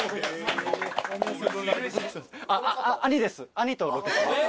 兄とロケしてます。